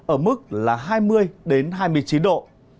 ở mức là hai mươi hai mươi chín độ